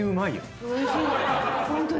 ホントに。